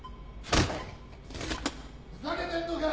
・ふざけてんのか！